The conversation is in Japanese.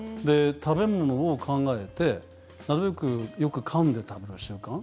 食べ物を考えてなるべくよくかんで食べる習慣。